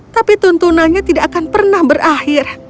tapi tuntunannya tidak akan pernah berakhir